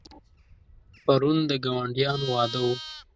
پرون د ګاونډیانو واده و.